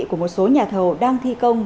của một số nhà thầu đang thi công